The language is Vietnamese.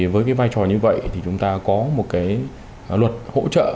với cái vai trò như vậy thì chúng ta có một cái luật hỗ trợ